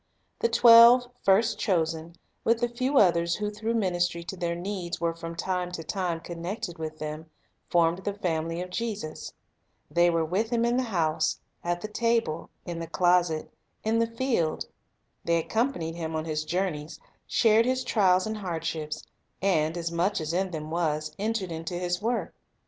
The twelve first chosen, with a few others who through ministry to their needs were from time to time connected with them, formed the family of Jesus. They were (84) 1 1 John 1 : 2. An Illustration of His Methods 85 with Him in the house, at the table, in the closet, in the field. The)' accompanied Him on His journeys, shared His trials and hardships, and, as much as in them was, entered into His work.